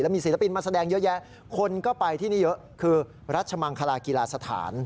มีศิลปินมาแสดงเยอะแยะคนก็ไปที่นี่เยอะคือรัชมังคลากีฬาสถาน